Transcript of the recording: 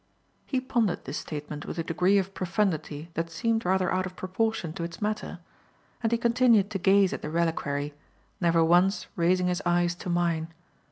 He pondered this statement with a degree of profundity that seemed rather out of proportion to its matter; and he continued to gaze at the reliquary, never once raising his eyes to mine.